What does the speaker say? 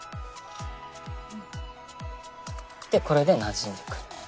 でこれでなじんでくる。